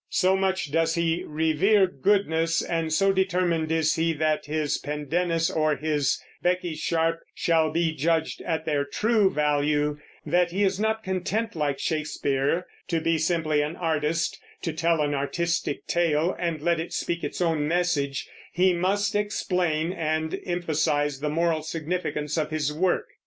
So much does he revere goodness, and so determined is he that his Pendennis or his Becky Sharp shall be judged at their true value, that he is not content, like Shakespeare, to be simply an artist, to tell an artistic tale and let it speak its own message; he must explain and emphasize the moral significance of his work.